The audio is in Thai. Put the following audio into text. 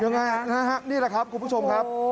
นี่แหละครับคุณผู้ชมครับ